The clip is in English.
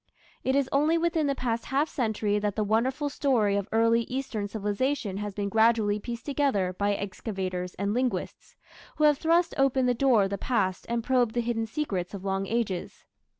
It is only within the past half century that the wonderful story of early Eastern civilization has been gradually pieced together by excavators and linguists, who have thrust open the door of the past and probed the hidden secrets of long ages.